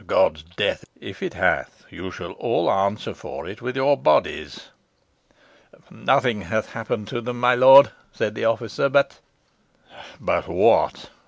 God's death! if it hath, you shall all answer for it with your bodies." "Nothing hath happened to them, my lord," said the officer, "but " "But what?"